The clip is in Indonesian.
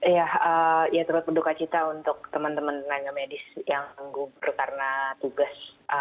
ya terima kasih untuk teman teman tenaga medis yang gugur karena tugas